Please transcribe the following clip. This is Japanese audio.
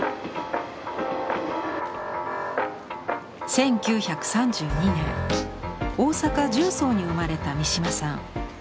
１９３２年大阪十三に生まれた三島さん。